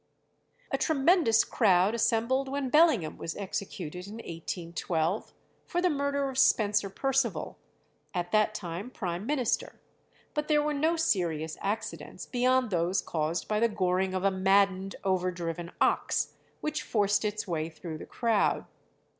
] A tremendous crowd assembled when Bellingham was executed in 1812 for the murder of Spencer Percival, at that time prime minister; but there were no serious accidents, beyond those caused by the goring of a maddened, over driven ox which forced its way through the crowd.